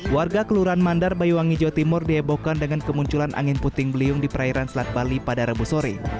warga kelurahan mandar banyuwangi jawa timur diebohkan dengan kemunculan angin puting beliung di perairan selat bali pada rabu sore